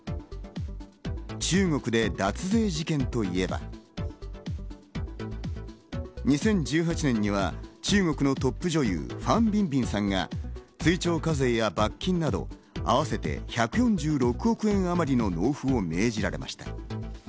中国で脱税事件といえば、２０１８年には中国のトップ女優、ファン・ビンビンさんが追徴課税や罰金など、合わせて１４６億円あまりの納付を命じられました。